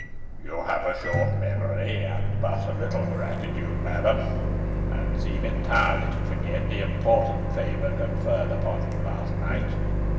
"You have a short memory, and but little gratitude, madam and seem entirely to forget the important favour conferred upon you last night.